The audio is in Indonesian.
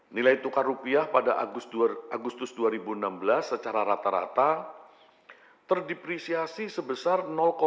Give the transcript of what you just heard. nilai tukar rupiah pada agustus dua ribu enam belas secara rata rata terdepresiasi sebesar